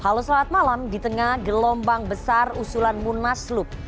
halo selamat malam di tengah gelombang besar usulan munaslup